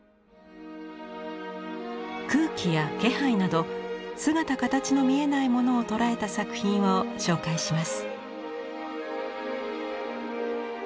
空気や気配など姿形の見えないものを捉えた作品を紹介します。